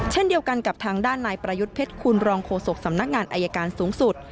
เช่นเดียวกันกับทางด้านนายประยุทธ์เพชรคุณรองโฆษกสำนักงานอายการสูงสุด